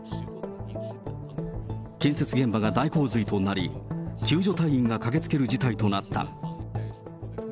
建設現場が大洪水となり、救助隊員が駆けつける事態となった。